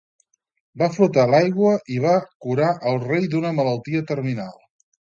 Va flotar a l'aigua i va curar el rei d'una malaltia terminal.